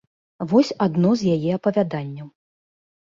Вось адно з яе апавяданняў.